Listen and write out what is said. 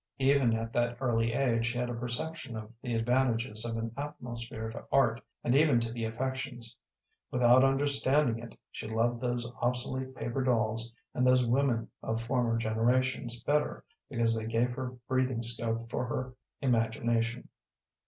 Even at that early age she had a perception of the advantages of an atmosphere to art, and even to the affections. Without understanding it, she loved those obsolete paper dolls and those women of former generations better because they gave her breathing scope for her imagination.